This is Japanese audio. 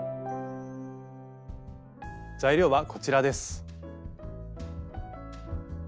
材料はこちらです。